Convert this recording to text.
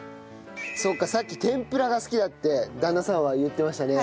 そうかさっき天ぷらが好きだって旦那さんは言ってましたね。